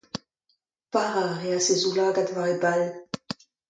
Parañ a reas e zaoulagad war e bal.